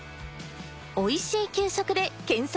「おいしい給食」で検索